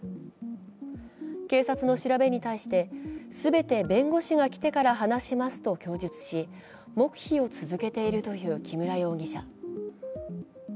警察の調べに対して、全て弁護士が来てから話しますと供述し黙秘を続けているという木村容疑者。